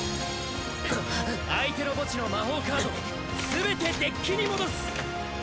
相手の墓地の魔法カードをすべてデッキに戻す！